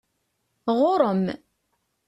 Ɣuṛ-m!